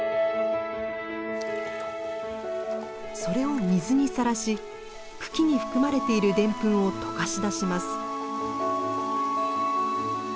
それを水にさらし茎に含まれているデンプンを溶かし出します。